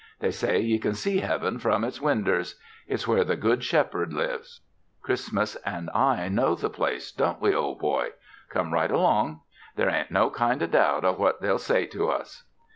They say ye can see Heaven from its winders. It's where the good Shepherd lives. Christmas an' I know the place don't we, ol' boy? Come right along. There ain't no kind o' doubt o' what they'll say to us."